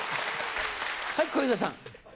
はい小遊三さん。